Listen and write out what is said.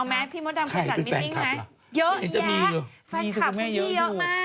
ไหมพี่มดดำขจัดมิติ้งไหมเยอะแยะแฟนคลับพี่เยอะมาก